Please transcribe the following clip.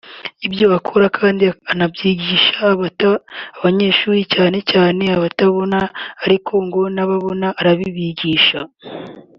Ibyo akora kandi anabyigisha abanyeshuri cyane cyane abatabona ariko ngo n’ababona arabigisha